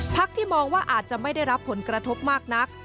ที่มองว่าอาจจะไม่ได้รับผลกระทบมากนัก